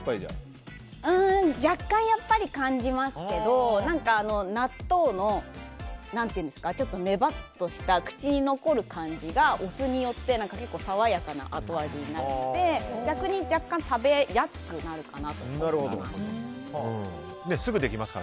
若干、感じますけど納豆のちょっとねばっとした口に残る感じがお酢によって爽やかな後味になるので逆に若干食べやすくなるかなと思います。